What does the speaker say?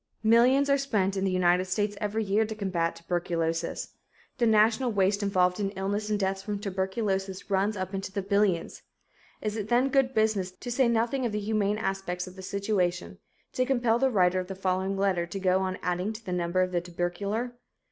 Millions are spent in the United States every year to combat tuberculosis. The national waste involved in illness and deaths from tuberculosis runs up into the billions. Is it then good business, to say nothing of the humane aspects of the situation, to compel the writer of the following letter to go on adding to the number of the tubercular?